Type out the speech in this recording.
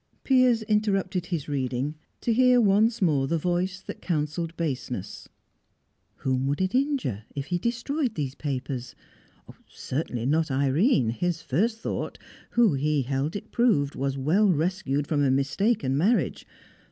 Piers interrupted his reading to hear once more the voice that counselled baseness. Whom would it injure, if he destroyed these papers? Certainly not Irene, his first thought, who, he held it proved, was well rescued from a mistaken marriage.